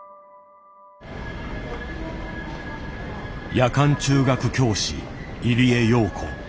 夜間中学教師入江陽子。